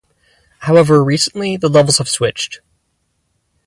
However, recently, the levels have switched.